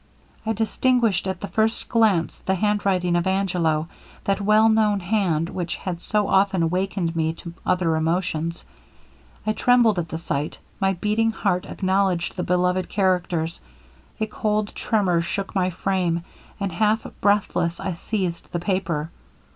I distinguished at the first glance the handwriting of Angelo, that well known hand which had so often awakened me to other emotions. I trembled at the sight; my beating heart acknowledged the beloved characters; a cold tremor shook my frame, and half breathless I seized the paper.